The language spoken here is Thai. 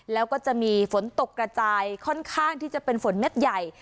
แล้วก็จะมีฝนตกกระจายค่อนข้างที่จะเป็นฝนเม็ดใหญ่